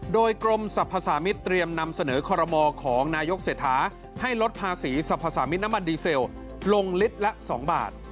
โดยกรมสรรพสามิตรเตรียมนำเสนอคอรมอของนายกเศรษฐาให้ลดภาษีสรรพสามิตรน้ำมันดีเซลลงลิตรละ๒บาท